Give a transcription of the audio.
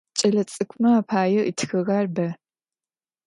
Ç'elets'ık'ume apaê ıtxığer be.